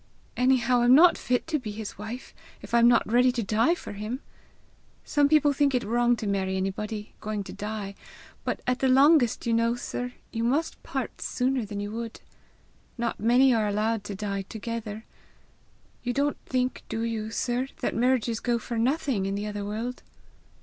Anyhow I'm not fit to be his wife, if I'm not ready to die for him! Some people think it wrong to marry anybody going to die, but at the longest, you know, sir, you must part sooner than you would! Not many are allowed to die together! You don't think, do you, sir, that marriages go for nothing in the other world?"